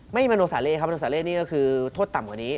มโนสาเล่ครับมโนสาเล่นี่ก็คือโทษต่ำกว่านี้